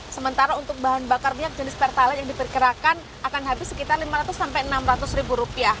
sementara untuk bahan bakar minyak jenis pertalite yang diperkirakan akan habis sekitar rp lima ratus sampai rp enam ratus